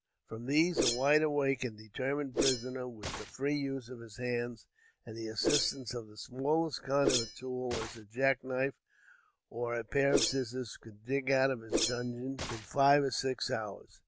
From these a wide awake and determined prisoner with the free use of his hands, and the assistance of the smallest kind of a tool, as a jack knife or pair of scissors, could dig out of his dungeon in five or six hours.